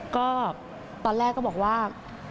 ก็ตอนแรกก็บอกว่า